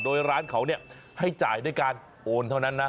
โดยร้านเขาให้จ่ายด้วยการโอนเท่านั้นนะ